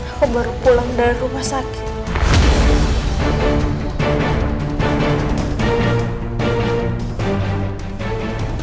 aku baru pulang dari rumah sakit